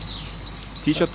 ティーショット